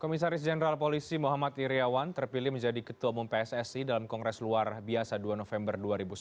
komisaris jenderal polisi muhammad iryawan terpilih menjadi ketua umum pssi dalam kongres luar biasa dua november dua ribu sembilan belas